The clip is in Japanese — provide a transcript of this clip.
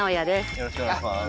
よろしくお願いします。